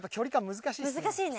難しいね。